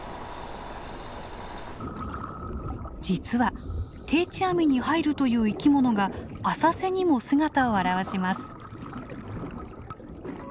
実は定置網に入るという生きものが浅瀬にも姿を現します。